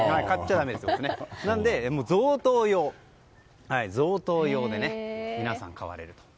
だから贈答用で皆さん、買われると。